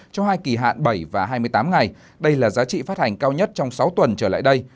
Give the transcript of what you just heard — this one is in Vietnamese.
cho hai kỳ hạn bảy và hai mươi tám ngày đây là giá trị phát hành cao nhất trong sáu tuần trở lại đây